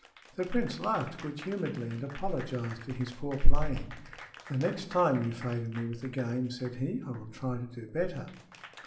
The prince laughed good humoredly and apologized for his poor playing. "The next time you favor me with a game," said he, "I will try to do better."